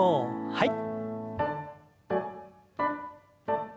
はい。